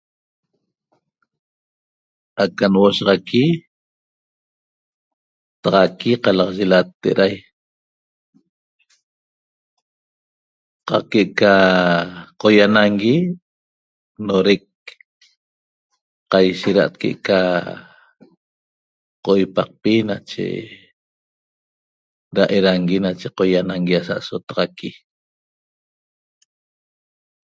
Aca nhuoshaxaqui taxaqui qalaxaye late'erai qaq que'eca qoianangui norec qaishera' que'eca qoipaqpi nache ra erangui nache qoianangui asa'aso taxaqui